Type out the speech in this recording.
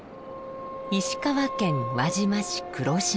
石川県輪島市黒島。